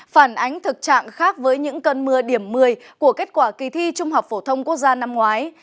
phản ánh thực trạng khác với những cơn mưa điểm một mươi của kết quả kỳ thi trung học phổ thông quốc gia năm ngoái